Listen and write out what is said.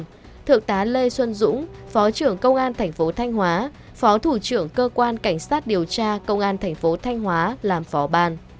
chuyên án do thượng tá lê xuân dũng phó trưởng công an tp thanh hóa phó thủ trưởng cơ quan cảnh sát điều tra công an tp thanh hóa làm phó ban